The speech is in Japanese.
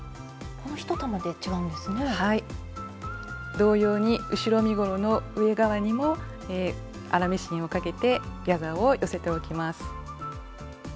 同様に後ろ身ごろの上側にも粗ミシンをかけてギャザーを寄せておきます。